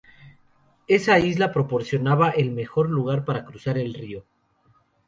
Esa isla proporcionaba el mejor lugar para cruzar el río.